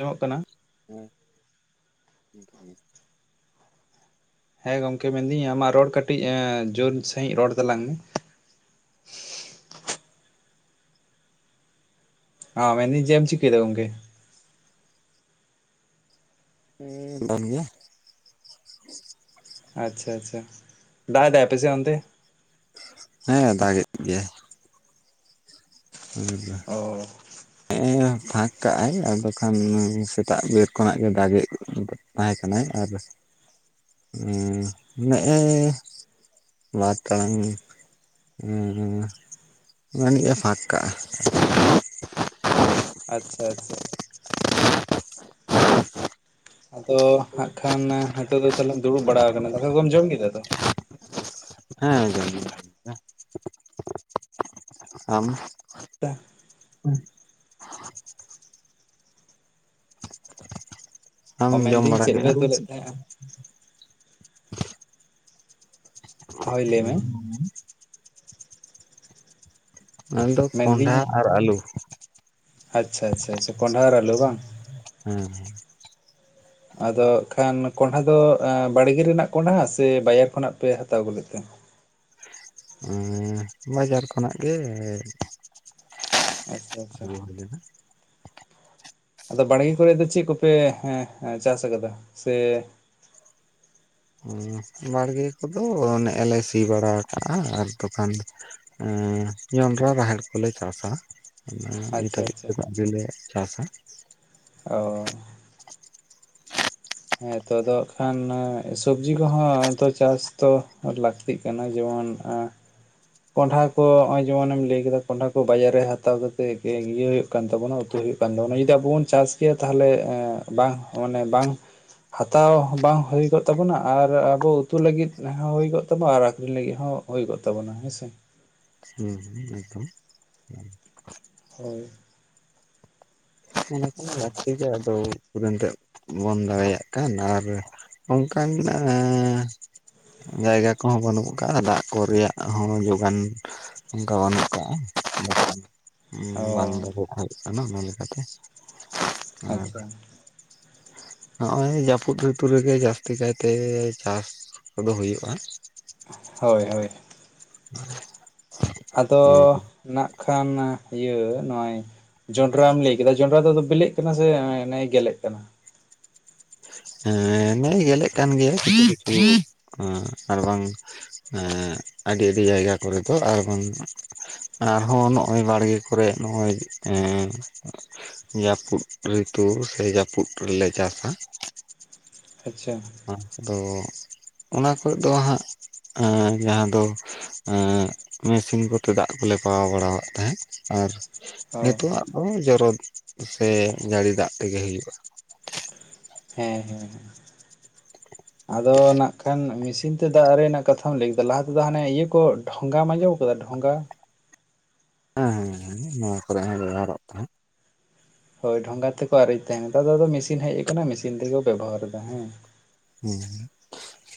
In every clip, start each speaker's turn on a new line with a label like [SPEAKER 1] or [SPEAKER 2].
[SPEAKER 1] ᱡᱚᱢᱚᱜ ᱠᱟᱱᱟ
[SPEAKER 2] ᱦᱮᱸ [unintelligible]
[SPEAKER 1] ᱦᱮᱸ ᱜᱚᱝᱠᱮ ᱢᱮᱱᱫᱟᱹᱧ ᱟᱢᱟᱜ ᱨᱚᱲ ᱠᱟᱹᱴᱤᱡ ᱡᱳᱨ ᱥᱟᱺᱦᱤᱡ ᱨᱚᱲ ᱛᱟᱞᱟᱝ ᱢᱮ ᱦᱟ ᱢᱮᱱ ᱫᱤᱧ ᱪᱤᱫᱮᱢ ᱪᱤᱠᱟᱹᱭ ᱫᱟ ᱜᱚᱝᱠᱮ ᱜᱮ
[SPEAKER 2] ᱦᱮᱸ [inaudible] ᱜᱮᱭᱟ
[SPEAKER 1] ᱟᱪᱪᱷᱟ ᱟᱪᱪᱷᱟ ᱫᱟᱜ ᱫᱟᱭ ᱟᱯᱮᱥᱮ ᱚᱱᱛᱮ?
[SPEAKER 2] ᱦᱮᱸ ᱫᱟᱜᱮᱫ ᱜᱮᱭᱟᱭ ᱟᱞᱮᱥᱮᱜ
[SPEAKER 1] ᱚ [inaudible]
[SPEAKER 2] ᱯᱷᱟᱸᱠ ᱠᱟᱜ ᱟᱭ ᱟᱫᱚ ᱠᱷᱟᱱ ᱥᱮᱛᱟᱜ ᱵᱮᱨ ᱠᱷᱚᱱᱟᱜ ᱜᱮ ᱫᱟᱜ ᱜᱮᱜ ᱛᱟᱦᱮᱸ ᱠᱟᱱᱟᱭ ᱟᱨ
[SPEAKER 1] ᱦᱮᱸ
[SPEAKER 2] ᱮ ᱱᱮᱜᱼᱮ ᱵᱟᱨ ᱴᱟᱲᱟᱝ ᱦᱩᱸ ᱦᱩᱸ, ᱢᱟᱹᱱᱤᱡᱮ ᱯᱷᱟᱸᱠ ᱠᱟᱜᱼᱟ᱾
[SPEAKER 1] ᱟᱪᱪᱷᱟ ᱟᱪᱪᱷᱟ, ᱟᱫᱚ ᱦᱟᱸᱜ ᱠᱷᱟᱱ ᱦᱤᱛᱚᱜ ᱫᱚ ᱛᱟᱦᱚᱞᱮᱢ ᱫᱩᱲᱩᱵ ᱵᱟᱲᱟ ᱠᱟᱱᱟ ᱫᱟᱠᱟ ᱠᱚᱢ ᱡᱚᱢ ᱠᱮᱫᱟ ᱛᱚ᱾
[SPEAKER 2] ᱦᱮᱸ ᱡᱚᱢ ᱜᱮ᱾ ᱟᱢ?
[SPEAKER 1] [inaudible]
[SPEAKER 2] ᱟᱢ
[SPEAKER 1] ᱚ
[SPEAKER 2] ᱡᱚᱢ
[SPEAKER 1] ᱢᱮᱱᱫᱟᱹᱧ
[SPEAKER 2] ᱵᱟᱲᱟ
[SPEAKER 1] ᱪᱮᱫ ᱯᱮ
[SPEAKER 2] ᱠᱮᱜ-ᱟ᱾
[SPEAKER 1] ᱩᱛᱩ ᱞᱮᱫ ᱛᱟᱦᱮᱸᱜᱼᱟ ᱦᱳᱭ ᱞᱟᱹᱭ ᱢᱮ
[SPEAKER 2] [inaudible] ᱚᱱᱟᱫᱚ ᱠᱚᱸᱱᱰᱷᱟ
[SPEAKER 1] ᱢᱮᱱᱫᱟᱹᱧ
[SPEAKER 2] ᱟᱨ ᱟᱹᱞᱩ᱾
[SPEAKER 1] ᱟᱪᱪᱷᱟ ᱟᱪᱪᱷᱟ, ᱠᱚᱸᱱᱰᱷᱟ ᱟᱨ ᱟᱞᱩ ᱵᱟᱝ?
[SPEAKER 2] ᱦᱮᱸ,
[SPEAKER 1] ᱟᱫᱚ, ᱠᱷᱟᱱ ᱠᱚᱸᱱᱰᱷᱟ ᱫᱚ ᱵᱟᱲᱜᱮ ᱨᱮᱱᱟᱜ ᱠᱚᱸᱰᱷᱟᱸ ᱥᱮ ᱵᱟᱡᱟᱨ ᱠᱷᱚᱱᱟᱜ ᱯᱮ ᱦᱟᱛᱟᱣ ᱟᱹᱜᱩ ᱞᱮᱫ ᱛᱮ?
[SPEAKER 2] [unintelligible] ᱵᱟᱡᱟᱨ ᱠᱷᱚᱱᱟᱜ ᱜᱮ
[SPEAKER 1] ᱟᱪᱪᱷᱟ ᱟᱪᱪᱷᱟ᱾
[SPEAKER 2] ᱟᱹᱜᱩ ᱦᱩᱭ ᱞᱮᱱᱟ
[SPEAKER 1] ᱟᱫᱚ ᱵᱟᱲᱜᱮ ᱠᱚᱨᱮ ᱫᱚ ᱪᱮᱫ ᱠᱚᱯᱮ ᱪᱟᱥ ᱠᱟᱫᱟ ᱥᱮ?
[SPEAKER 2] ᱵᱟᱲᱜᱮ ᱠᱚᱫᱚ ᱱᱮᱜᱞᱮ ᱥᱤ ᱵᱟᱲᱟ ᱠᱟᱜᱼᱟ ᱟᱨ ᱫᱚᱠᱟᱱ, ᱮᱸ ᱡᱚᱱᱰᱨᱟ ᱨᱟᱦᱮᱲ ᱠᱚᱞᱮ ᱪᱟᱥᱟ᱾ ᱚᱱᱟ ᱱᱤᱛ
[SPEAKER 1] ᱟᱪᱪᱷᱟ
[SPEAKER 2] ᱦᱟᱹᱵᱤᱡ
[SPEAKER 1] ᱟᱪᱪᱷᱟ
[SPEAKER 2] ᱛᱮ ᱫᱟᱜ ᱜᱮᱞᱮ ᱪᱟᱥᱟ᱾
[SPEAKER 1] ᱚ, ᱦᱮᱸ ᱛᱚ ᱟᱫᱚ ᱦᱟᱜ ᱠᱷᱟᱱ ᱥᱚᱵᱡᱤ ᱠᱚᱦᱚᱸ ᱛᱚ ᱪᱟᱥ ᱛᱚ ᱞᱟᱹᱠᱛᱤ, ᱛᱤᱜ ᱠᱟᱱᱟ ᱡᱮᱢᱚᱱ ᱟ, ᱠᱚᱸᱱᱰᱷᱟ ᱠᱚ ᱱᱚᱜ ᱚᱭ ᱡᱮᱢᱚᱱ ᱮᱢ ᱞᱟᱹᱭ ᱠᱮᱫᱟ ᱠᱚᱸᱱᱰᱷᱟ ᱠᱚ ᱵᱟᱡᱟᱨ ᱨᱮ ᱦᱟᱛᱟᱣ ᱠᱟᱛᱮᱫ [inaudible] ᱤᱭᱟᱹ ᱦᱩᱭᱩᱜ ᱠᱟᱱᱟ᱾ ᱠᱟᱱ ᱛᱟᱵᱳᱱᱟ ᱩᱛᱩ ᱦᱩᱭᱩᱜ ᱠᱟᱱ ᱛᱟᱵᱚᱱᱟ ᱡᱚᱫᱤ ᱟᱵᱚ ᱵᱚᱱ ᱪᱟᱥ ᱠᱮᱭᱟ ᱛᱟᱦᱚᱞᱮ ᱵᱟᱝ ᱢᱟᱱᱮ ᱵᱟᱝ, ᱦᱟᱛᱟᱣ ᱵᱟᱝ ᱦᱩᱭ ᱠᱚᱜ ᱛᱟᱵᱚᱱᱟ ᱟᱨ ᱟᱵᱚ ᱩᱛᱩ ᱞᱟᱹᱜᱤᱫ ᱦᱚᱸ ᱦᱩᱭ ᱠᱚᱜ ᱛᱟᱵᱚᱱᱟ ᱟᱨ ᱟᱠᱷᱨᱤᱧ ᱞᱟᱹᱜᱤᱫ ᱦᱚᱸ, ᱦᱳᱭ ᱠᱚᱜ ᱛᱟᱵᱚᱱᱟ ᱦᱮᱸᱥᱮ?
[SPEAKER 2] ᱦᱚᱸᱦᱚᱸ ᱮᱠᱫᱚᱢ᱾
[SPEAKER 1] ᱦᱳᱭ,
[SPEAKER 2] [inaudible] ᱞᱟᱹᱠᱛᱤ ᱜᱮ ᱟᱫᱚ, ᱩᱠᱩᱨ ᱮᱱᱛᱮ ᱵᱚᱱ ᱫᱟᱲᱮᱭᱟᱜ ᱠᱟᱱ ᱟᱨ ᱚᱱᱠᱟᱱ ᱟ ᱡᱟᱭᱜᱟ ᱠᱚᱦᱚᱸ ᱵᱟᱹᱱᱩᱜ ᱠᱟᱜᱼᱟ ᱫᱟᱜ ᱠᱚ ᱨᱮᱭᱟᱜ ᱦᱚᱸ ᱡᱳᱜᱟᱱ, ᱚᱱᱠᱟ ᱵᱟᱹᱱᱩᱜ ᱠᱟᱜᱼᱟ
[SPEAKER 1] ᱚ
[SPEAKER 2] ᱵᱟᱝ [inaudible] ᱦᱩᱭᱩᱜ ᱠᱟᱱᱟ ᱚᱱᱟ ᱞᱮᱠᱟᱛᱮ᱾ ᱟᱨ,
[SPEAKER 1] [unintelligible]
[SPEAKER 2] ᱱᱚᱜᱼᱚᱭ ᱡᱟᱹᱯᱩᱫ ᱨᱤᱛᱩ ᱨᱮᱜᱮ ᱡᱟᱹᱥᱛᱤ ᱠᱟᱭᱛᱮ ᱪᱟᱥ ᱠᱚᱫᱚ ᱦᱩᱭᱩᱜᱼᱟ᱾
[SPEAKER 1] ᱦᱳᱭ ᱦᱳᱭ,
[SPEAKER 2] [inaudible]
[SPEAKER 1] ᱟᱫᱚ ᱱᱟᱜ ᱠᱷᱟᱱ ᱤᱭᱟᱹ ᱱᱚᱜᱼᱚᱭ ᱡᱚᱱᱰᱨᱟᱢ ᱞᱮᱭ ᱠᱮᱫᱟ, ᱡᱚᱱᱰᱨᱟ ᱫᱚ ᱵᱮᱞᱮᱜ ᱠᱟᱱᱟ ᱥᱮ ᱱᱮᱜ-ᱮ ᱜᱮᱞᱮᱜ ᱠᱟᱱᱟ?
[SPEAKER 2] ᱦᱮᱸᱱᱮᱻᱮ ᱜᱮᱞᱮᱜ ᱠᱟᱱ ᱜᱮᱭᱟ ᱠᱤᱪᱷᱩ ᱠᱤᱪᱷᱩ ᱟᱨ ᱵᱟᱝ, ᱟᱹᱰᱤ ᱟᱹᱰᱤ ᱡᱟᱭᱜᱟ ᱠᱚᱨᱮ ᱫᱚ ᱟᱨᱵᱟᱝ, ᱟᱨᱦᱚᱸ ᱱᱚᱜᱼᱚᱭ ᱵᱟᱲᱜᱮ ᱠᱚᱨᱮᱜ ᱱᱚᱜᱼᱚᱭ ᱮ, ᱡᱟᱹᱯᱩᱫ ᱨᱤᱛᱩ ᱥᱮ ᱡᱟᱹᱯᱩᱫ ᱨᱮᱞᱮ ᱪᱟᱥᱟ᱾
[SPEAKER 1] ᱟᱪᱪᱷᱟ,
[SPEAKER 2] ᱢᱟᱥ ᱫᱚ, ᱚᱱᱟ ᱠᱚᱨᱮᱫ ᱫᱚ ᱦᱟᱸᱜ ᱮᱸ ᱡᱟᱦᱟᱸ ᱫᱚ ᱮᱸ ᱢᱮᱥᱤᱱ ᱠᱚᱛᱮ ᱫᱟᱜ ᱠᱚᱞᱮ ᱯᱟᱣᱟ ᱵᱟᱲᱟᱣᱫ ᱛᱟᱦᱮᱸᱫ ᱟᱨ
[SPEAKER 1] ᱚ
[SPEAKER 2] ᱱᱤᱛᱚᱜᱟᱜ ᱫᱚ ᱡᱚᱨᱚ ᱥᱮ ᱡᱟᱹᱲᱤ ᱫᱟᱜ ᱛᱮᱜᱮ ᱦᱩᱭᱩᱜᱼᱟ᱾
[SPEAKER 1] ᱦᱮᱸᱻᱦᱮᱸ ᱟᱫᱚ ᱱᱟᱜ ᱠᱷᱟᱱ ᱢᱮᱥᱤᱼᱼ ᱢᱮᱥᱤᱱ ᱛᱮ ᱫᱟᱜ ᱨᱮᱱᱟᱜ ᱠᱟᱛᱷᱟᱢ ᱞᱟᱹᱭ ᱠᱮᱫᱟ ᱞᱟᱦᱟ ᱛᱮᱫᱚ ᱦᱟᱱᱮ ᱤᱭᱟᱹ ᱠᱚ ᱰᱷᱚᱸᱜᱟ ᱟᱡᱚᱢ ᱟᱠᱟᱫᱟ ᱰᱷᱚᱸᱜᱟ?
[SPEAKER 2] ᱦᱮᱸᱻᱦᱮᱸ, ᱦᱮᱸ ᱱᱚᱣᱟ ᱠᱚᱨᱮ ᱦᱚᱸ ᱵᱮᱵᱷᱦᱟᱨᱚᱜ ᱛᱟᱦᱮᱸᱫ
[SPEAKER 1] ᱦᱚᱭ ᱰᱷᱚᱸᱜᱟ ᱛᱮᱠᱚ ᱟᱨᱮᱡ ᱛᱟᱦᱮᱸᱱ ᱱᱮᱛᱟᱨ ᱫᱚ ᱟᱫᱚ ᱢᱮᱥᱤᱱ ᱦᱮᱡ ᱟᱠᱟᱱᱟ ᱢᱮᱥᱤᱱ ᱛᱮᱜᱮᱠᱚ ᱵᱮᱵᱚᱦᱟᱨᱮᱫᱟ ᱦᱮᱸ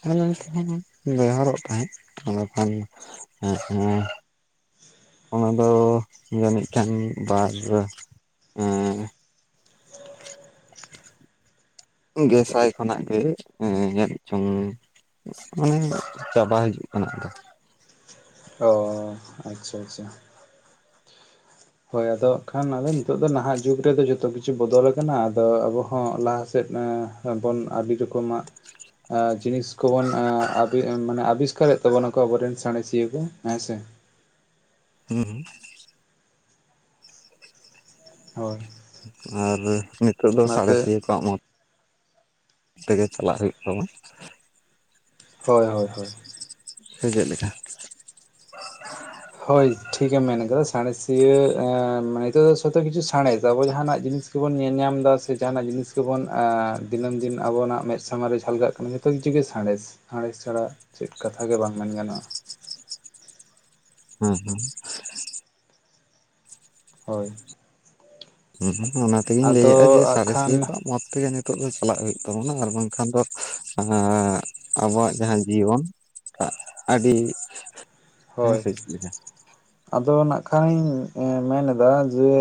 [SPEAKER 2] ᱦᱮᱸ ᱛᱮᱦᱚᱸ ᱵᱮᱵᱷᱦᱟᱨᱚᱜ ᱛᱟᱦᱮᱸᱫᱠᱷᱟᱱ ᱦᱮᱸ ᱦᱩᱸ ᱚᱱᱟ ᱫᱚ ᱡᱟᱹᱱᱤᱡ ᱠᱷᱟᱱ ᱵᱟᱨ ᱨᱮ ᱮ ᱜᱮᱥᱟᱭ ᱠᱷᱚᱱᱟᱜ ᱜᱮ ᱧᱮᱞᱪᱚᱝ ᱢᱮ ᱚᱱᱮ ᱪᱟᱵᱟ ᱦᱤᱡᱩᱜ ᱠᱟᱱᱟ ᱟᱫᱚ
[SPEAKER 1] ᱚ ᱟᱪᱷᱟ-ᱟᱪᱷᱟ ᱦᱚᱭ ᱟᱫᱚ ᱠᱷᱟᱱ ᱟᱫᱚ ᱱᱤᱛᱚᱜ ᱫᱚ ᱱᱟᱦᱟᱜ ᱡᱩᱜᱽ ᱨᱮᱫᱚ ᱡᱚᱛᱚ ᱠᱤᱪᱷᱩ ᱵᱚᱫᱚᱞ ᱟᱠᱟᱱᱟ ᱟᱫᱚ ᱟᱵᱚ ᱦᱚᱸ ᱞᱟᱦᱟᱼᱼ ᱥᱮᱫ ᱵᱚᱱ ᱟᱹᱰᱤ ᱨᱚᱠᱚᱢᱟᱜ ᱡᱤᱱᱤᱥ ᱠᱚᱵᱚᱱ ᱢᱟᱱᱮ ᱟᱵᱤᱥᱠᱟᱨᱮᱫ ᱛᱟᱵᱚᱱᱟᱠᱚ ᱟᱵᱚᱨᱮᱱ ᱥᱟᱬᱮᱥᱤᱭᱟᱹ ᱠᱚ ᱦᱮᱸᱥᱮ
[SPEAKER 2] ᱦᱩᱸ-ᱦᱩᱸ
[SPEAKER 1] ᱦᱚᱭ
[SPEAKER 2] ᱟᱨ ᱱᱤᱛᱚᱜ ᱫᱚ ᱥᱟᱬᱮᱥᱤᱭᱟᱹ ᱠᱚᱣᱟᱜ ᱢᱚᱛᱚ ᱛᱮᱜᱮ ᱪᱟᱞᱟᱜ ᱦᱩᱭᱩᱜ ᱛᱟᱵᱚᱱᱟ
[SPEAKER 1] ᱦᱳᱭ-ᱦᱳᱭ-ᱦᱳᱭ
[SPEAKER 2] ᱪᱮᱫ ᱞᱮᱠᱟ?
[SPEAKER 1] ᱦᱳᱭ ᱴᱷᱤᱠᱮᱢ ᱢᱮᱱ ᱠᱟᱫᱟ ᱥᱟᱬᱮᱥᱤᱭᱟᱹ ᱱᱤᱛᱚᱜ ᱫᱚ ᱡᱚᱛᱚ ᱠᱤᱪᱷᱩ ᱥᱟᱬᱮᱥ ᱟᱵᱚ ᱡᱟᱦᱟᱱᱟᱜ ᱡᱤᱱᱤᱥ ᱜᱮᱵᱚᱱ ᱧᱮᱞ ᱧᱟᱢ ᱮᱫᱟ ᱥᱮ ᱡᱟᱦᱟᱱᱟᱜ ᱡᱤᱱᱤᱥ ᱜᱮᱵᱚᱱ ᱫᱤᱱᱟᱹᱢ-ᱫᱤᱱ ᱟᱵᱚᱱᱟᱜ ᱢᱮᱫ ᱥᱟᱨᱢᱟᱝ ᱨᱮ ᱡᱷᱟᱞᱠᱟᱜ ᱠᱟᱱᱟ᱾ ᱡᱚᱛᱚ ᱠᱤᱪᱷᱩ ᱜᱮ ᱥᱟᱬᱮᱥ-ᱥᱟᱬᱮᱥ ᱪᱷᱟᱲᱟ ᱪᱮᱫ ᱠᱟᱛᱷᱟ ᱜᱮ ᱵᱟᱝ ᱢᱮᱱ ᱜᱟᱱᱚᱜ-ᱟ᱾
[SPEAKER 2] ᱦᱮᱸᱻᱦᱮᱸ
[SPEAKER 1] ᱦᱚᱭ
[SPEAKER 2] ᱦᱮᱸ ᱚᱱᱟ ᱛᱮᱜᱤᱧ ᱞᱟᱹᱭᱮᱫ-ᱟ
[SPEAKER 1] ᱟᱫᱚ
[SPEAKER 2] ᱡᱮ
[SPEAKER 1] ᱦᱟᱸᱜ ᱠᱷᱟᱱ
[SPEAKER 2] ᱥᱟᱬᱮᱥᱤᱭᱟᱹ ᱠᱚᱣᱟᱜ ᱢᱚᱛ ᱛᱮᱜᱮ ᱱᱤᱛᱚᱜ ᱫᱚ ᱪᱟᱞᱟᱜ ᱦᱩᱭᱩᱜ ᱛᱟᱵᱚᱱᱟ ᱟᱨ ᱵᱟᱝᱠᱷᱟᱱ ᱫᱚ ᱟᱵᱚᱣᱟᱜ ᱡᱟᱦᱟᱸ ᱡᱤᱭᱚᱱ ᱟᱹᱰᱤ ᱦᱮᱸ
[SPEAKER 1] ᱦᱚᱭ
[SPEAKER 2] ᱥᱮ ᱪᱮᱫ ᱞᱮᱠᱟ
[SPEAKER 1] ᱟᱫᱚ ᱱᱟᱜᱠᱷᱟᱱ ᱢᱮᱱᱮᱫᱟ ᱡᱮ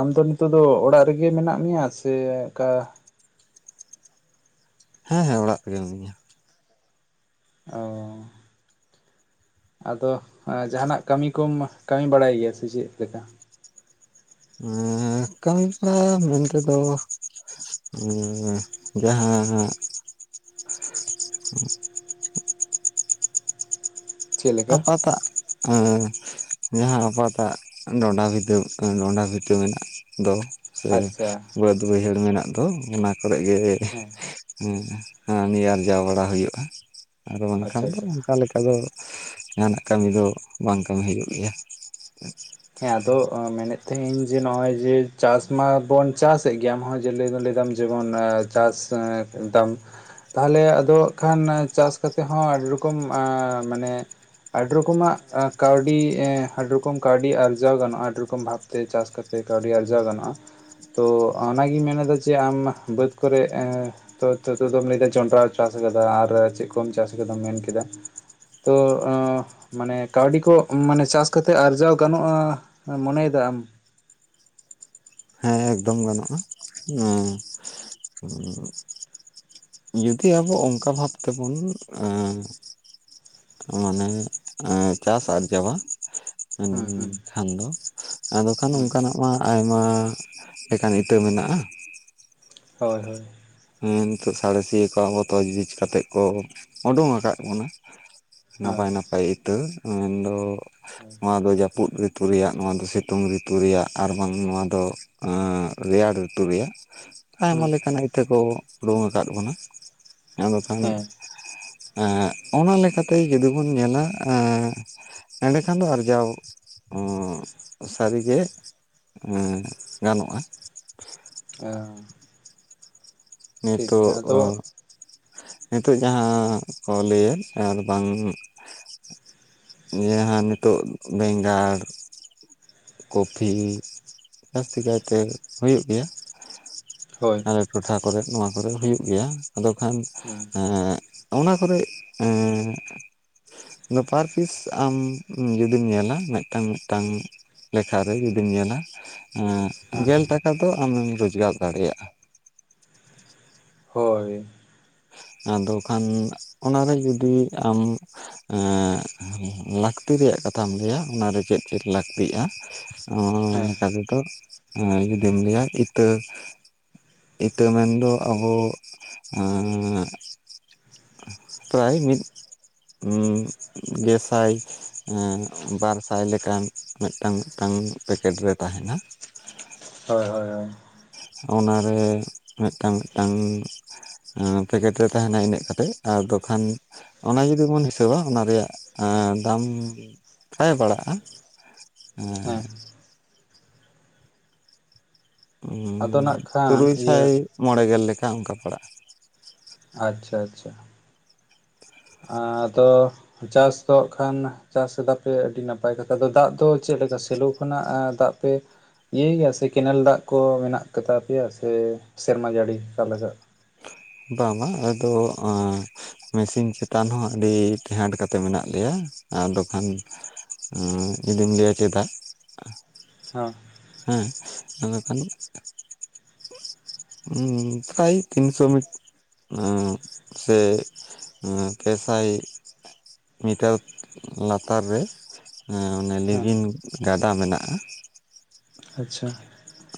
[SPEAKER 1] ᱟᱢᱫᱚ ᱱᱤᱛᱚᱜ ᱫᱚ ᱚᱲᱟᱜ ᱨᱮᱜᱮ ᱢᱮᱱᱟᱜ ᱢᱮᱭᱟ ᱥᱮ ᱚᱱᱠᱟ
[SPEAKER 2] ᱦᱮᱸᱻᱦᱮᱸ ᱚᱲᱟᱜ ᱨᱮᱜᱮ ᱢᱤᱱᱟᱹᱧᱟ
[SPEAKER 1] ᱚ ᱟᱫᱚ ᱡᱟᱦᱟᱱᱟᱜ ᱠᱟᱹᱢᱤ ᱠᱚᱢ ᱠᱟᱹᱢᱤ ᱵᱟᱲᱟᱭ ᱜᱮᱭᱟ ᱥᱮ ᱪᱮᱫ ᱞᱮᱠᱟ?
[SPEAKER 2] ᱠᱟᱹᱢᱤ ᱠᱚᱨᱟ ᱢᱮᱱ ᱛᱮᱫᱚ ᱡᱟᱦᱟᱸ
[SPEAKER 1] ᱪᱮᱫ ᱞᱮᱠᱟ
[SPEAKER 2] ᱟᱯᱟᱛᱟᱜ ᱡᱟᱦᱟᱸ ᱟᱯᱟᱛᱟᱜ ᱰᱚᱸᱰᱟ ᱵᱷᱤᱴᱟᱹ- ᱰᱚᱸᱰᱟ ᱵᱤᱴᱟᱹ ᱢᱮᱱᱟᱜ ᱫᱚ ᱥᱮ
[SPEAKER 1] ᱟᱪᱪᱷᱟ
[SPEAKER 2] ᱵᱟᱹᱫᱽ
[SPEAKER 1] ᱟᱪᱪᱷᱟ
[SPEAKER 2] ᱵᱟᱹᱭᱦᱟᱹᱲ ᱢᱮᱱᱟᱜ ᱟᱫᱚ ᱚᱱᱟ ᱠᱚᱨᱮ ᱜᱮ
[SPEAKER 1] ᱦᱮᱸ
[SPEAKER 2] ᱱᱮ ᱟᱨᱡᱟᱣ ᱵᱟᱲᱟ ᱦᱩᱭᱩᱜ-ᱟ᱾ ᱟᱨᱫᱚ
[SPEAKER 1] ᱟᱪᱪᱷᱟ
[SPEAKER 2] ᱵᱟᱝᱠᱷᱟᱱ ᱫᱚ
[SPEAKER 1] ᱟᱪᱪᱷᱟ
[SPEAKER 2] ᱚᱱᱠᱟ ᱞᱮᱠᱟ ᱫᱚ ᱡᱟᱦᱟᱱᱟᱜ ᱠᱟᱹᱢᱤ ᱫᱚ ᱵᱟᱝ ᱠᱟᱹᱢᱤ ᱦᱩᱭᱩᱜ ᱜᱮᱭᱟ
[SPEAKER 1] ᱦᱮᱸ ᱟᱫᱚ ᱢᱮᱱᱮᱫ ᱛᱟᱦᱮᱸᱤᱧ ᱡᱮ ᱱᱚᱜ ᱚᱭ ᱡᱮ ᱪᱟᱥ ᱢᱟᱵᱚᱱ ᱪᱟᱥᱮᱫ ᱜᱮ ᱟᱢ ᱦᱚᱸ ᱡᱟᱹᱭ ᱞᱟᱹᱭᱫᱟᱢ ᱡᱮᱢᱚᱱ ᱪᱟᱥ ᱫᱟᱢ ᱛᱟᱦᱚᱞᱮ ᱟᱫᱚ ᱦᱟᱜ ᱠᱷᱟᱱ ᱪᱟᱥ ᱠᱟᱛᱮᱜ ᱦᱚᱸ ᱟᱹᱰᱤ ᱨᱚᱠᱚᱢ [unintelligible] ᱢᱟᱱᱮ ᱟᱹᱰᱤ ᱨᱚᱠᱚᱢᱟᱜ ᱠᱟᱹᱣᱰᱤ ᱮᱸ ᱟᱹᱰᱤ ᱨᱚᱠᱚᱢ ᱠᱟᱹᱣᱰᱤ ᱟᱹᱰᱤ ᱟᱨᱡᱟᱣ ᱜᱟᱱᱚᱜ-ᱟ ᱟᱹᱰᱤ ᱨᱚᱠᱚᱢ ᱵᱷᱟᱵᱛᱮ ᱪᱟᱥ ᱠᱟᱛᱮ ᱠᱟᱹᱣᱰᱤ ᱟᱨᱡᱟᱣ ᱜᱟᱱᱚᱜ-ᱟ᱾ ᱛᱚ ᱚᱱᱟᱜᱤᱧ ᱢᱮᱱᱮᱫᱟ ᱡᱮ ᱟᱢ ᱵᱟᱹᱫᱽ ᱠᱚᱨᱮ ᱮᱸ ᱛᱚ ᱛᱚ ᱫᱚᱢ ᱞᱟᱹᱭᱟ ᱡᱚᱱᱰᱨᱟ ᱪᱟᱥ ᱟᱠᱟᱫᱟ ᱟᱨ ᱪᱮᱫ ᱠᱚᱢ ᱪᱟᱥ ᱟᱠᱟᱫᱟᱢ ᱢᱮᱱ ᱠᱮᱫᱟ ᱛᱚ ᱢᱟᱱᱮ ᱠᱟᱹᱣᱰᱤ ᱠᱚ ᱢᱟᱱᱮ ᱪᱟᱥ ᱠᱟᱛᱮ ᱟᱨᱡᱟᱣ ᱜᱟᱱᱚᱜ-ᱟ ᱢᱚᱱᱮᱭ ᱮᱫᱟᱢ
[SPEAKER 2] ᱮᱠᱫᱚᱢ ᱜᱟᱱᱚᱜ-ᱟ᱾ᱦᱚᱸ ᱡᱩᱫᱤ ᱟᱵᱚ ᱚᱱᱠᱟ ᱵᱷᱟᱵ ᱛᱮᱵᱚᱱ ᱢᱟᱱᱮ ᱪᱟᱥ ᱟᱨᱡᱟᱣᱟ
[SPEAKER 1] ᱦᱩᱸ ᱦᱩᱸ
[SPEAKER 2] ᱠᱷᱟᱱ ᱫᱚ ᱟᱫᱚ ᱠᱷᱟᱱ
[SPEAKER 1] ᱦᱩᱸ
[SPEAKER 2] ᱚᱱᱠᱟᱱᱟᱜ ᱢᱟ ᱟᱭᱢᱟ ᱞᱮᱠᱟᱱ ᱤᱛᱟᱹ ᱢᱮᱱᱟᱜ-ᱟ᱾
[SPEAKER 1] ᱦᱳᱭ ᱦᱳᱭ
[SPEAKER 2] ᱦᱮᱸ ᱱᱤᱛᱚᱜ ᱥᱟᱬᱮᱥᱤᱭᱟᱹ ᱠᱚ ᱟᱵᱚ ᱫᱚ [unintelligible] ᱠᱟᱛᱮᱜ ᱠᱚ ᱩᱰᱩᱝ ᱟᱠᱟᱫ ᱵᱚᱱᱟ᱾
[SPEAKER 1] ᱦᱳᱭ
[SPEAKER 2] ᱱᱟᱯᱟᱭ ᱱᱟᱯᱟᱭ ᱤᱛᱟᱹ ᱢᱮᱱᱫᱚ
[SPEAKER 1] [unintelligible]
[SPEAKER 2] ᱱᱚᱣᱟ ᱫᱚ ᱡᱟᱹᱯᱩᱫ ᱨᱤᱛᱩ ᱨᱮᱭᱟᱜ ᱱᱚᱣᱟ ᱫᱚ ᱥᱤᱛᱩᱝ ᱨᱤᱛᱩ ᱨᱮᱭᱟᱜ ᱟᱨ ᱵᱟᱝ ᱱᱚᱣᱟ ᱫᱚ ᱟ ᱨᱮᱭᱟᱲ ᱨᱤᱛᱩ ᱨᱮᱭᱟᱜ ᱟᱭᱢᱟ
[SPEAKER 1] ᱦᱩᱸ
[SPEAKER 2] ᱞᱮᱠᱟᱱᱟᱜ ᱤᱛᱟᱹ ᱠᱚ ᱩᱰᱩᱝ ᱟᱠᱟᱫ ᱵᱚᱱᱟ, ᱟᱫᱚ ᱠᱷᱟᱱ ᱮᱜ
[SPEAKER 1] ᱦᱮᱸ
[SPEAKER 2] ᱚᱱᱟ ᱞᱮᱠᱟᱛᱮ ᱡᱩᱫᱤ ᱵᱚᱱ ᱧᱮᱞᱟ ᱮᱜ ᱮᱸᱰᱮᱠᱷᱟᱱ ᱫᱚ ᱟᱨᱡᱟᱣ [unintelligible] ᱥᱟᱹᱨᱤᱜᱮ ᱮᱜ ᱜᱟᱱᱚᱜᱼᱟ᱾
[SPEAKER 1] ᱚ
[SPEAKER 2] ᱱᱤᱛᱳᱜ ᱚ
[SPEAKER 1] ᱟᱫᱚ
[SPEAKER 2] ᱱᱤᱛᱳᱜ ᱡᱟᱸᱦᱟ ᱠᱚ ᱞᱟᱹᱭᱮᱫ ᱟᱨ ᱵᱟᱝ ᱡᱟᱸᱦᱟ ᱱᱤᱛᱳᱜ ᱵᱮᱸᱜᱟᱲ ᱠᱚᱯᱷᱤ ᱡᱟᱹᱥᱛᱤ ᱠᱟᱭᱛᱮ ᱦᱳᱭᱳᱜ ᱜᱮᱭᱟ᱾
[SPEAKER 1] ᱦᱳᱭ
[SPEAKER 2] ᱟᱞᱮ ᱴᱚᱴᱷᱟ ᱠᱚᱨᱮ ᱱᱚᱣᱟ ᱠᱚᱨᱮ ᱦᱩᱭᱩᱜ ᱜᱮᱭᱟ ᱟᱫᱚ ᱠᱷᱟᱱ
[SPEAKER 1] ᱦᱩᱸ
[SPEAKER 2] ᱮᱸ ᱚᱱᱟ ᱠᱚᱨᱮᱡ ᱮᱸ ᱱᱮ ᱯᱟᱨ ᱯᱤᱥ ᱟᱢ ᱡᱩᱫᱤᱢ ᱧᱮᱞᱟ ᱢᱮᱫᱴᱟᱝ ᱢᱮᱫᱴᱟᱝ ᱞᱮᱠᱷᱟ ᱨᱮ ᱡᱩᱫᱤᱢ ᱧᱮᱞᱟ ᱮᱜ
[SPEAKER 1] ᱦᱮᱸ
[SPEAKER 2] ᱜᱮᱞ ᱴᱟᱠᱟ ᱫᱚ ᱟᱢᱮᱢ ᱨᱳᱪᱠᱟᱨ ᱫᱟᱲᱮᱭᱟᱜᱼᱟ᱾
[SPEAKER 1] ᱦᱳᱭ
[SPEAKER 2] ᱟᱫᱚ ᱠᱷᱟᱱ ᱚᱱᱟᱨᱮ ᱡᱩᱫᱤ ᱟᱢ ᱮᱜ ᱞᱟᱹᱠᱛᱤ ᱨᱮᱭᱟᱜ ᱠᱟᱛᱷᱟᱢ ᱞᱟᱹᱭᱟ ᱚᱱᱟᱨᱮ ᱪᱮᱫ ᱪᱮᱫ ᱞᱟᱹᱠᱛᱤᱜᱼᱟ᱾ ᱚᱱᱟ
[SPEAKER 1] ᱦᱮᱸ
[SPEAKER 2] ᱞᱮᱠᱟ ᱛᱮᱫᱚ ᱡᱩᱫᱤᱢ ᱞᱟᱹᱭᱟ ᱤᱛᱟᱹ ᱤᱛᱟᱹ ᱢᱮᱱᱫᱚ ᱟᱵᱚ ᱮᱜ ᱯᱨᱟᱭ ᱢᱤᱫ ᱤᱻ ᱜᱮᱥᱟᱭ ᱵᱟᱨ ᱥᱟᱭ ᱞᱮᱠᱟᱱ ᱢᱮᱫᱴᱟᱝ ᱢᱮᱫᱴᱟᱝ ᱯᱮᱠᱮᱴ ᱨᱮ ᱛᱟᱦᱮᱱᱟ᱾
[SPEAKER 1] ᱦᱳᱭ ᱦᱳᱭ ᱦᱳᱭ
[SPEAKER 2] ᱚᱱᱟ ᱨᱮ ᱢᱮᱫᱴᱟᱝ ᱢᱮᱫᱴᱟᱝ ᱯᱮᱠᱮᱴ ᱨᱮ ᱛᱟᱦᱮᱱᱟ ᱤᱱᱟᱹᱜ ᱠᱟᱛᱮᱜ ᱟᱫᱚ ᱠᱷᱟᱱ ᱚᱱᱟ ᱡᱩᱫᱤ ᱵᱚᱱ ᱦᱤᱥᱟᱹᱵᱟ ᱚᱱᱟ ᱨᱮᱭᱟᱜ ᱫᱟᱢ ᱯᱨᱟᱭ ᱯᱟᱲᱟᱜᱼᱟ ᱮᱜ
[SPEAKER 1] ᱦᱮᱸ ᱟᱫᱚ ᱱᱟᱜ ᱠᱷᱟᱱ
[SPEAKER 2] ᱛᱩᱨᱩᱭ
[SPEAKER 1] ᱤᱭᱟᱹ
[SPEAKER 2] ᱥᱟᱭ ᱢᱚᱬᱮ ᱜᱮᱞ ᱞᱮᱠᱟ ᱚᱱᱠᱟ ᱯᱟᱲᱟᱜ-ᱟ᱾
[SPEAKER 1] ᱟᱪᱪᱷᱟ ᱟᱪᱪᱷᱟ ᱟᱫᱚ ᱪᱟᱥ ᱠᱚᱜ ᱠᱷᱟᱱ ᱪᱟᱥ ᱮᱫᱟᱯᱮ ᱟᱹᱰᱤ ᱱᱟᱯᱟᱭ ᱠᱟᱛᱷᱟ ᱟᱫᱚ ᱫᱟᱜ ᱫᱚ ᱪᱮᱫ ᱞᱮᱠᱟ ᱥᱮᱞᱚ ᱠᱷᱚᱱᱟᱜ ᱫᱟᱜ ᱯᱮ ᱤᱭᱟᱹ ᱜᱮᱭᱟ ᱥᱮ ᱠᱮᱱᱮᱞ ᱫᱟᱜ ᱠᱚ ᱢᱮᱱᱟᱜ ᱠᱟᱛᱟ ᱯᱮᱭᱟ ᱥᱮ ᱥᱮᱨᱢᱟ ᱡᱟᱹᱲᱤ ᱚᱠᱟ ᱞᱮᱠᱟ
[SPEAKER 2] ᱵᱟᱝ ᱵᱟᱝ ᱟᱞᱮ ᱫᱚ ᱢᱮᱥᱤᱱ ᱪᱮᱛᱟᱱ ᱦᱚ ᱟᱹᱰᱤ ᱴᱮᱦᱟᱸᱴ ᱠᱟᱛᱮᱫ ᱢᱮᱱᱟᱜ ᱞᱮᱭᱟ ᱟᱫᱚᱠᱷᱟᱱ ᱡᱩᱫᱤᱢ ᱞᱟᱹᱭᱟ ᱪᱮᱫᱟᱜ?
[SPEAKER 1] ᱦᱮᱸ
[SPEAKER 2] ᱦᱮ ᱟᱫᱚᱠᱷᱟᱱ ᱯᱨᱟᱭ ᱛᱤᱱᱥᱚ ᱢᱤᱫ ᱥᱮ ᱯᱮ ᱥᱟᱭ ᱢᱤᱴᱟᱨ ᱞᱟᱛᱟᱨ ᱨᱮ ᱮ ᱚᱱᱮ
[SPEAKER 1] ᱦᱮᱸ
[SPEAKER 2] ᱞᱤᱜᱤᱱ ᱜᱟᱰᱟ ᱢᱮᱱᱟᱜ-ᱟ᱾
[SPEAKER 1] ᱟᱪᱪᱷᱟ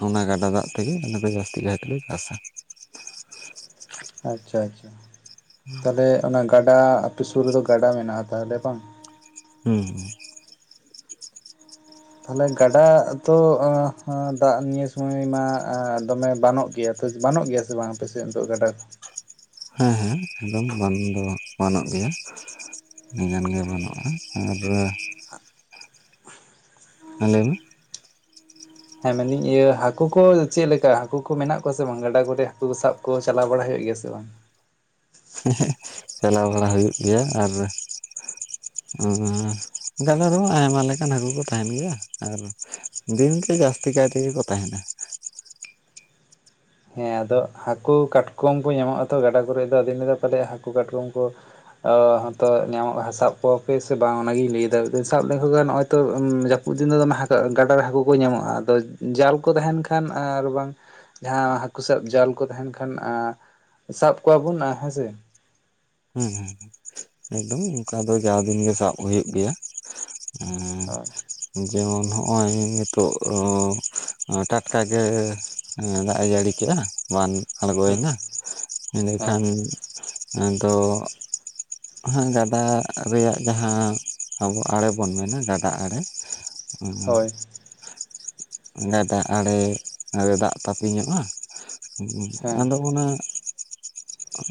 [SPEAKER 2] ᱚᱱᱟ ᱜᱟᱰᱟ ᱫᱟᱜ ᱛᱮᱜᱮ ᱟᱞᱮ ᱫᱚ ᱡᱟᱹᱥᱛᱤ ᱠᱟᱭ ᱛᱮᱞᱮ ᱪᱟᱥᱟ
[SPEAKER 1] ᱟᱪᱪᱷᱟ ᱟᱪᱪᱷᱟ ᱛᱟᱦᱚᱞᱮ ᱚᱱᱟ ᱜᱟᱰᱟ ᱟᱯᱮ ᱥᱩᱨ ᱨᱮᱫᱚ ᱜᱟᱰᱟ ᱢᱮᱱᱟᱜ-ᱟ᱾ ᱛᱟᱦᱚᱞᱮ ᱵᱟᱝ
[SPEAKER 2] ᱦᱩ
[SPEAKER 1] ᱛᱟᱦᱚᱞᱮ ᱜᱟᱰᱟ ᱛᱚ ᱫᱟᱜ ᱱᱤᱭᱟᱹ ᱥᱩᱢᱟᱭ ᱢᱟ ᱫᱚᱢᱮ ᱵᱟᱹᱱᱚᱜ ᱜᱮᱭᱟ ᱵᱟᱹᱱᱚᱜ ᱜᱮᱭᱟ ᱥᱮ ᱵᱟᱝ ᱟᱯᱮ ᱥᱮᱫ ᱫᱚ ᱱᱤᱛᱚᱜ ᱜᱟᱰᱟ ᱠᱚ
[SPEAKER 2] ᱦᱮ ᱦᱮ ᱮᱠᱫᱚᱢ ᱵᱟᱱ ᱫᱚ ᱵᱟᱹᱱᱚᱜ ᱜᱮᱭᱟ ᱟᱹᱰᱤᱜᱟᱱ ᱜᱮ ᱵᱟᱱᱩᱜ-ᱟ ᱟᱨ ᱦᱮ ᱞᱟᱹᱭ ᱢᱮ
[SPEAKER 1] ᱦᱮᱸ ᱢᱮᱱᱫᱟᱹᱧ ᱤᱭᱟᱹ ᱦᱟᱹᱠᱳ ᱠᱚ ᱪᱮᱫ ᱞᱮᱠᱟ ᱦᱟᱹᱠᱳ ᱠᱚ ᱢᱮᱱᱟᱜ ᱠᱚᱣᱟ ᱥᱮ ᱵᱟᱝ ᱜᱟᱰᱟ ᱠᱚᱨᱮ ᱦᱟᱹᱠᱩ ᱠᱚ ᱥᱟᱵ ᱠᱚ ᱪᱟᱞᱟᱣ ᱵᱟᱲᱟ ᱦᱩᱭᱩᱜ ᱜᱮᱭᱟ ᱥᱮ ᱵᱟᱝ
[SPEAKER 2] ᱪᱟᱞᱟᱣ ᱵᱟᱲᱟ ᱦᱩᱭᱩᱜ ᱜᱮᱭᱟ ᱟᱨ
[SPEAKER 1] ᱟᱢ
[SPEAKER 2] ᱮᱢ ᱻ ᱟᱨ ᱜᱟᱰᱟ ᱨᱮᱦᱚᱸ ᱟᱭᱢᱟ ᱞᱮᱠᱟᱱ ᱦᱟᱹᱠᱳ ᱠᱚ ᱛᱟᱦᱮᱱ ᱜᱮᱭᱟ ᱟᱨ ᱫᱤᱱᱜᱮ ᱡᱟᱹᱥᱛᱤ ᱠᱟᱭ ᱛᱮᱜᱮ ᱠᱚ ᱛᱟᱦᱮᱱᱟ
[SPEAKER 1] ᱦᱮᱸ ᱟᱫᱚ ᱦᱟᱹᱠᱳ ᱠᱟᱴᱠᱚᱢ ᱠᱚ ᱧᱟᱢᱚᱜ ᱟᱛᱚ ᱜᱟᱰᱟ ᱠᱚᱨᱮᱜ ᱫᱚ ᱟᱫᱩᱧ ᱞᱟᱹᱭ ᱫᱟ ᱯᱟᱞᱮᱫ ᱦᱟᱹᱠᱩ ᱠᱟᱴᱠᱚᱢ ᱠᱚ ᱧᱟᱢᱚᱜ ᱥᱟᱵ ᱠᱚᱣᱟᱯᱮ ᱥᱮ ᱵᱟᱝ ᱚᱱᱟᱜᱤᱧ ᱞᱟᱹᱭ ᱫᱟ ᱥᱟᱵ ᱞᱮᱠᱚ ᱠᱷᱟᱱ ᱱᱚᱜ-ᱚᱭ ᱛᱚ ᱩᱱ ᱫᱤᱱ ᱫᱚ ᱫᱚᱢᱮ ᱜᱟᱰᱟᱨ ᱨᱮ ᱦᱟᱹᱠᱩ ᱠᱚ ᱧᱟᱢᱚᱜ-ᱟ᱾ ᱟᱫᱚ ᱡᱟᱞ ᱠᱚ ᱛᱟᱦᱮᱱ ᱠᱷᱟᱱ ᱟᱨ ᱵᱟᱝ ᱡᱟᱦᱟ ᱦᱟᱹᱠᱩ ᱥᱟᱵ ᱡᱟᱞ ᱠᱚ ᱛᱟᱦᱮᱱ ᱠᱷᱟᱱ ᱟᱸ ᱥᱟᱵ ᱠᱚᱣᱟ ᱵᱚᱱ ᱦᱮᱸᱥᱮ
[SPEAKER 2] ᱦᱮᱸ ᱦᱮᱸ ᱮᱠᱫᱚᱢ ᱚᱱᱠᱟ ᱫᱚ ᱡᱟᱣ ᱫᱤᱱ ᱜᱮ ᱥᱟᱵ ᱦᱩᱭᱩᱜ ᱜᱮᱭᱟ
[SPEAKER 1] ᱦᱳᱭ
[SPEAKER 2] ᱦᱚᱸ ᱡᱮᱢᱚᱱ ᱦᱚᱜᱼᱚᱭ ᱱᱤᱛᱚᱜ ᱴᱟᱴᱠᱟ ᱜᱮ ᱫᱟᱜ ᱮ ᱡᱟᱹᱲᱤ ᱠᱮᱜ-ᱟ ᱵᱟᱱ
[SPEAKER 1] ᱦᱮᱸ
[SPEAKER 2] ᱟᱬᱜᱚᱭᱮᱱᱟ
[SPEAKER 1] ᱦᱮᱸ
[SPEAKER 2] ᱮᱸᱰᱮᱠᱷᱟᱱ ᱛᱚ ᱦᱟᱸᱜ ᱜᱟᱰᱟ ᱨᱮᱭᱟᱜ ᱡᱟᱦᱟᱸ ᱟᱵᱚ ᱟᱲᱮ ᱵᱚᱱ ᱢᱮᱱᱟ ᱜᱟᱰᱟ ᱟᱲᱮ
[SPEAKER 1] ᱦᱳᱭ
[SPEAKER 2] ᱜᱟᱰᱟ ᱟᱬᱮ ᱨᱮ ᱫᱟᱜ ᱛᱟᱹᱯᱤᱧᱚᱜ-ᱟ ᱦᱚᱸ
[SPEAKER 1] ᱦᱮᱸ
[SPEAKER 2] ᱟᱫᱚ ᱚᱱᱟ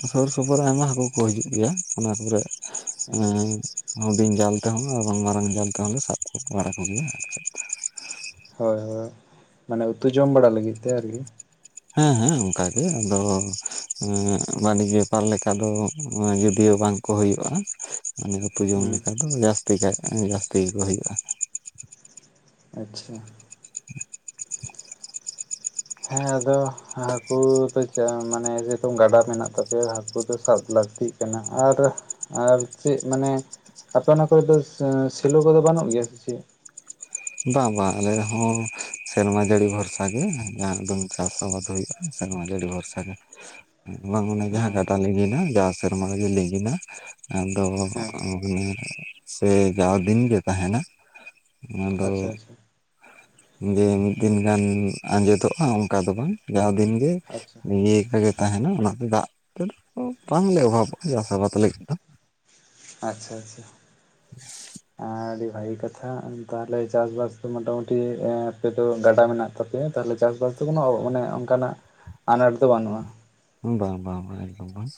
[SPEAKER 2] ᱥᱩᱨ ᱥᱩᱯᱩᱨ ᱨᱮ ᱟᱭᱢᱟ ᱦᱟᱹᱠᱩ ᱠᱚ ᱦᱤᱡᱩᱜ ᱜᱮᱭᱟ ᱚᱱᱟ ᱠᱚᱨᱮ ᱦᱩᱰᱤᱧ ᱡᱟᱞ ᱛᱮᱦᱚᱸ ᱟᱨ ᱵᱟᱝ ᱢᱟᱨᱟᱝ ᱡᱟᱞ ᱛᱮᱦᱚᱸ ᱞᱮ ᱥᱟᱵ ᱠᱚ ᱵᱟᱲᱟ ᱠᱚᱜᱮᱭᱟ ᱟᱨ
[SPEAKER 1] ᱦᱳᱭ ᱦᱳᱭ ᱢᱟᱱᱮ ᱩᱛᱩ ᱡᱚᱢ ᱵᱟᱲᱟ ᱞᱟᱹᱜᱤᱫ ᱛᱮ ᱟᱨᱠᱤ
[SPEAKER 2] ᱦᱮᱸ ᱦᱮᱸ ᱚᱱᱠᱟᱜᱮ ᱟᱫᱚ ᱵᱟᱱᱤᱡᱽ ᱵᱮᱯᱟᱨ ᱞᱮᱠᱟ ᱫᱚ ᱡᱳᱫᱤᱭᱳ ᱵᱟᱝ ᱠᱚ ᱦᱩᱭᱩᱜ-ᱟ᱾ ᱢᱟᱱᱮ ᱩᱛᱩ ᱡᱚᱢ
[SPEAKER 1] ᱦᱩᱸ
[SPEAKER 2] ᱞᱮᱠᱟ ᱫᱚ ᱡᱟᱹᱥᱛᱤ ᱠᱟᱭ ᱡᱟᱹᱥᱛᱤ ᱜᱮᱠᱚ ᱦᱩᱭᱩᱜ-ᱟ
[SPEAKER 1] ᱟᱪᱪᱷᱟ ᱦᱮ ᱟᱫᱚ ᱦᱟᱹᱠᱩ ᱫᱚ ᱡᱟ ᱢᱟᱱᱮ ᱡᱮ ᱦᱩᱛᱩ ᱜᱟᱰᱟ ᱢᱮᱱᱟᱜ ᱛᱟᱯᱮᱭᱟ ᱦᱟᱹᱠᱩ ᱫᱚ ᱥᱟᱵ ᱞᱟᱹᱠᱛᱤᱜ ᱠᱟᱱᱟ ᱟᱨ ᱟᱨ ᱪᱮᱫ ᱢᱟᱱᱮ ᱟᱯᱮ ᱚᱱᱟ ᱠᱚᱨᱮ ᱫᱚ ᱥᱮᱞᱚ ᱠᱚᱫᱚ ᱵᱟᱹᱱᱩᱜ ᱜᱮᱭᱟ ᱥᱮ ᱪᱮᱫ
[SPEAKER 2] ᱵᱟᱝ ᱵᱟᱝ ᱟᱞᱮ ᱦᱚᱸ ᱥᱮᱨᱢᱟ ᱡᱟᱹᱲᱤ ᱵᱷᱚᱨᱥᱟ ᱜᱮ ᱡᱟᱦᱟᱸ ᱮᱠᱫᱚᱢ ᱪᱟᱥ ᱟᱵᱟᱫᱽ ᱦᱩᱭᱩᱜᱼᱟ᱾ ᱮᱠᱫᱚᱢ ᱟᱹᱰᱤ ᱟᱹᱰᱤ ᱵᱷᱚᱨᱥᱟ ᱜᱮ᱾ ᱵᱟᱝ ᱢᱟᱱᱮ ᱡᱟᱦᱟᱸ
[SPEAKER 1] ᱦᱮᱸ
[SPEAKER 2] ᱜᱟᱰᱟ ᱞᱤᱸᱜᱤᱱᱟ ᱡᱟᱣ ᱥᱮᱨᱢᱟ ᱨᱮᱜᱮ ᱞᱤᱸᱜᱤᱱᱟ ᱟᱫᱚ
[SPEAKER 1] ᱦᱮᱸ
[SPEAKER 2] ᱥᱮ ᱡᱟᱣ ᱫᱤᱱ ᱜᱮ ᱛᱟᱦᱮᱱᱟ ᱚᱱᱟ ᱫᱚ
[SPEAKER 1] ᱟᱪᱪᱷᱟ ᱟᱪᱪᱷᱟ
[SPEAKER 2] ᱡᱮ ᱢᱤᱫ ᱫᱤᱱ ᱜᱟᱱ ᱟᱸᱡᱮᱫᱚᱜᱼᱟ, ᱚᱱᱠᱟ ᱫᱚ ᱵᱟᱝ ᱡᱟᱣ ᱫᱤᱱᱜᱮ
[SPEAKER 1] ᱟᱪᱪᱷᱟ
[SPEAKER 2] ᱞᱤᱸᱜᱤᱭᱟᱠᱟ ᱜᱮ ᱛᱟᱦᱮᱱᱟ ᱚᱱᱟᱛᱮ ᱫᱟᱜ ᱛᱮᱫᱚ ᱵᱟᱝᱞᱮ ᱚᱵᱷᱟᱵᱚᱜᱼᱟ, ᱪᱟᱥ ᱟᱵᱟᱫ ᱞᱟᱹᱜᱤᱫ ᱫᱚ
[SPEAKER 1] ᱟᱪᱪᱷᱟ ᱟᱪᱪᱷᱟ ᱟᱹᱰᱤ ᱵᱷᱟᱜᱤ ᱠᱟᱛᱷᱟ, ᱛᱟᱦᱞᱮ ᱪᱟᱥᱵᱟᱥ ᱫᱚ ᱢᱚᱴᱟ ᱢᱩᱴᱤ ᱟᱯᱮ ᱫᱚ ᱜᱟᱰᱟ ᱢᱮᱱᱟᱜ ᱛᱟᱯᱮᱭᱟ ᱛᱟᱦᱞᱮ ᱪᱟᱥᱵᱟᱥ ᱫᱚ ᱠᱳᱚᱱᱚ ᱢᱟᱱᱮ ᱚᱱᱠᱟᱱᱟᱜ ᱟᱱᱟᱴ ᱫᱚ ᱵᱟᱹᱱᱩᱜᱼᱟ᱾
[SPEAKER 2] ᱵᱟᱝ ᱵᱟᱝ ᱵᱟᱝ ᱮᱠᱫᱚᱢ ᱵᱟᱝ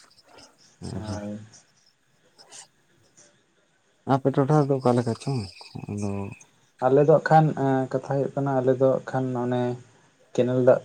[SPEAKER 2] ᱟᱨ
[SPEAKER 1] ᱦᱳᱭ
[SPEAKER 2] ᱟᱯᱮ ᱴᱚᱴᱷᱟ ᱨᱮᱫᱚ ᱚᱠᱟ ᱞᱮᱠᱟ ᱪᱚᱝ ᱟᱫᱚ
[SPEAKER 1] ᱟᱞᱮ ᱫᱚ ᱦᱟᱜ ᱠᱷᱟᱱ ᱠᱟᱛᱷᱟ ᱦᱩᱭᱩᱜ ᱠᱟᱱᱟ ᱟᱞᱮ ᱫᱚ ᱦᱟᱜ ᱠᱷᱟᱱ ᱚᱱᱮ ᱠᱮᱱᱮᱞ ᱫᱟᱜ